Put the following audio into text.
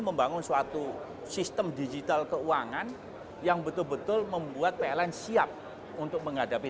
membangun suatu sistem digital keuangan yang betul betul membuat pln siap untuk menghadapi